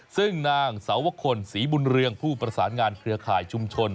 ซึ่งนางสาวคลศรีบุญเรืองผู้ประสานงานเครือข่ายชุมชน